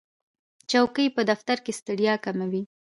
چوکۍ په دفتر کې ستړیا کموي.